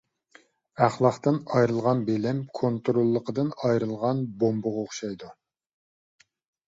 ئەخلاقتىن ئايرىلغان بىلىم، كونتروللۇقىدىن ئايرىلغان بومبىغا ئوخشايدۇ.